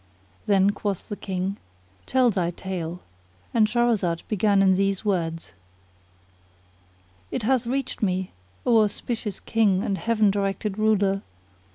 Then quoth the King, "Tell thy tale;" and Shahrazad began in these words: It hath reached me, O auspicious King and Heaven directed Ruler!